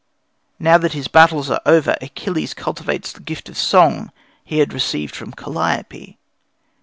Now that his battles are over, Achilles cultivates the gift of song he had received from Calliope.